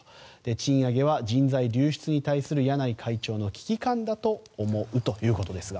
賃上げは人材流出に対する柳井会長の危機感だと思うということですが。